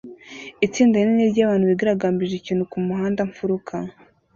Itsinda rinini ryabantu bigaragambije ikintu kumuhanda-mfuruka